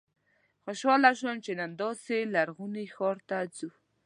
خوشاله شوم چې نن داسې لرغوني ښار ته ځو.